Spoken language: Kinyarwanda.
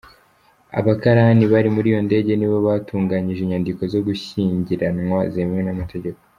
Abakarani bari muri yo ndege nibo batunganyije inyandiko zo gushyingiranwa zemewe n'amategeko.